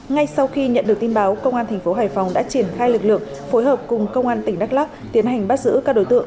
ngay sau khi nhận được tin báo công an tp hải phòng đã triển khai lực lượng phối hợp cùng công an tỉnh đắk lắc tiến hành bắt giữ các đối tượng